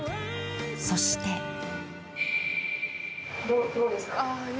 そしてどうですか？